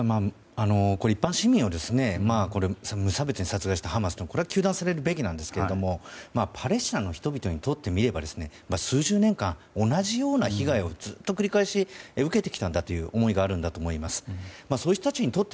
一般市民は無差別に殺害したハマスは糾弾されるべきですがパレスチナの人々にとってみれば数十年間同じような被害をずっと繰り返し受けてきたんだという思いがあると思います。